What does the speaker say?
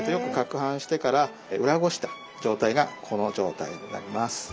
よくかくはんしてから裏ごした状態がこの状態になります。